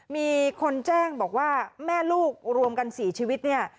มีคนแจ้งบอกว่าแม่ลูกรวมกัน๔ชีวิตเนี่ย